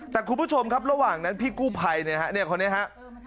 แต่คุณผู้ชมครับระหว่างนั้นพี่กู้ภัยเนี่ยฮะเนี่ยคนนี้ฮะ